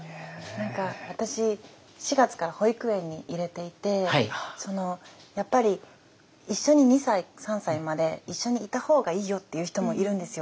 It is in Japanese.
何か私４月から保育園に入れていてやっぱり一緒に２歳３歳まで一緒にいた方がいいよっていう人もいるんですよ。